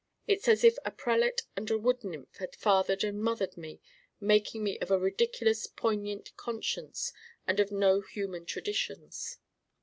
It's as if a prelate and a wood nymph had fathered and mothered me: making me of a ridiculous poignant conscience and of no human traditions.